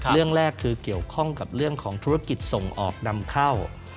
เรื่องแรกคือเกี่ยวข้องกับเรื่องของธุรกิจส่งออกนำเข้า